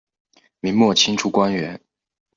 明末清初官员。